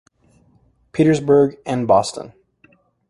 Petersburg and Boston.